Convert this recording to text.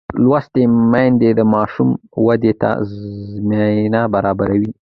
لوستې میندې د ماشوم ودې ته زمینه برابروي.